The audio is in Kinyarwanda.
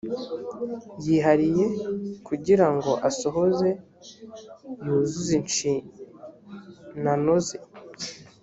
yihariye kugira ngo asohoze yuzuze inshinano ze